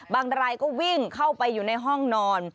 รายก็วิ่งเข้าไปอยู่ในห้องนอน